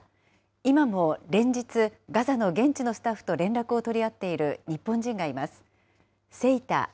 今も連日、ガザの現地のスタッフと連絡を取り合っている日本人がいます。